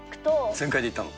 全開でいったの？